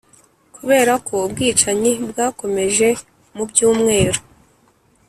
kubera ko ubwicanyi bwakomeje mu byumweru